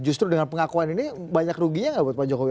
justru dengan pengakuan ini banyak ruginya nggak buat pak jokowi